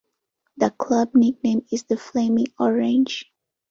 The club nickname is the flaming orange.